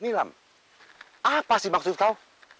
milam apa sih maksud kau